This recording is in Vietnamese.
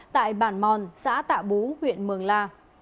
tại bản mòn xã tạ bú huyện mường la